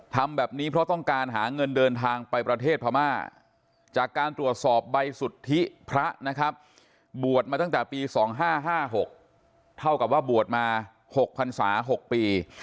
ทำแบบนี้เพราะต้องการหาเงินเดินทางไปประเทศพม่าจากการตรวจสอบใบสุทธิพระนะครับบวชมาตั้งแต่ปี๒๕๕๖เท่ากับว่าบวชมา๖พันศา๖ปี